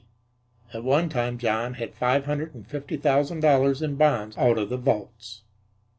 At one time John had five hundred and fifty thousand dollars in bonds out of the vaults.